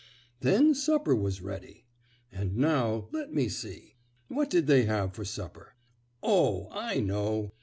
Then supper was ready. And now, let me see, what did they have for supper? Oh, I know!